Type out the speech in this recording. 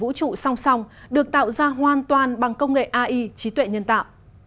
mùa hè ở vũ trụ song song được tạo ra hoàn toàn bằng công nghệ ai trí tuệ nhân tạo